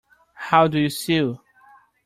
How do you sew?